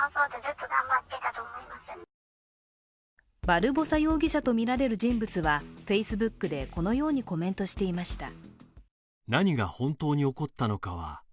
バルボサ容疑者とみられる人物はＦａｃｅｂｏｏｋでこのようにコメントしていました。